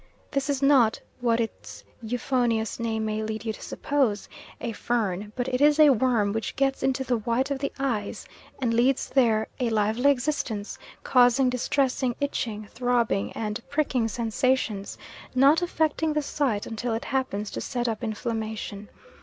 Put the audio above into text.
This is not, what its euphonious name may lead you to suppose, a fern, but it is a worm which gets into the white of the eye and leads there a lively existence, causing distressing itching, throbbing and pricking sensations, not affecting the sight until it happens to set up inflammation.